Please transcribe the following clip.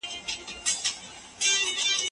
قرآن د زده کړې لارښود دی.